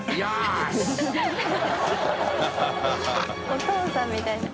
お父さんみたいな。